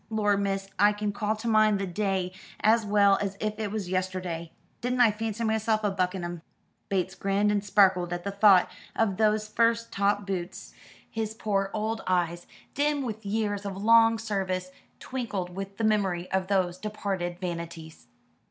Lor, miss, I can call to mind the day as well as if it was yesterday. Didn't I fancy myself a buck in 'em." Bates grinned and sparkled at the thought of those first top boots. His poor old eyes, dim with years of long service, twinkled with the memory of those departed vanities.